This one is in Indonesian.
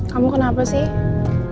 kamu kenapa sih